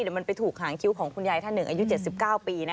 เดี๋ยวมันไปถูกหางคิ้วของคุณยายท่านหนึ่งอายุ๗๙ปี